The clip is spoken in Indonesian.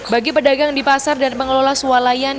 bagi pedagang di pasar dan pengelola sualayan